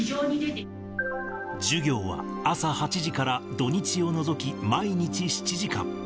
授業は朝８時から土日を除き、毎日７時間。